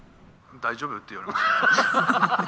「大丈夫？」って言われました。